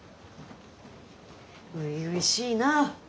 初々しいな。